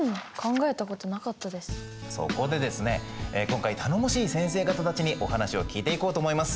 今回頼もしい先生方たちにお話を聞いていこうと思います。